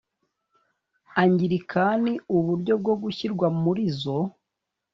angilikani uburyo bwo gushyirwa muri izo